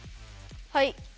はい。